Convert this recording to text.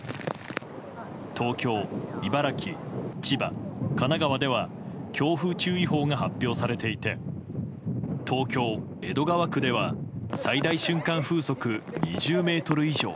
東京、茨城、千葉、神奈川では強風注意報が発表されていて東京・江戸川区では最大瞬間風速２０メートル以上。